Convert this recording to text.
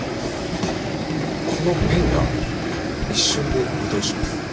このペンが一瞬で移動します。